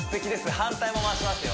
反対も回しますよ